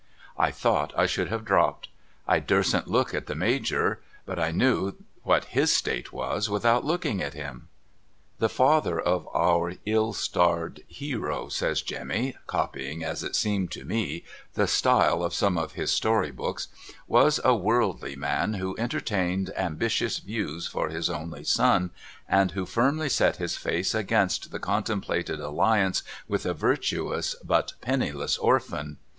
I thought 1 should have dropped. I durstn't look at the Major ; but I knew what his state was, without looking at him. ' The father of our ill starred hero ' says Jemmy, copying as it seemed to me the style of some of his story books, ' was a worldly man who entertained ambitious views for his only son and who firmly set his face against the contemplated alliance with a virtuous but penniless orphan.